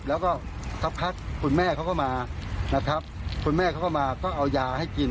แล้วก็สักพักคุณแม่เขาก็มานะครับคุณแม่เขาก็มาก็เอายาให้กิน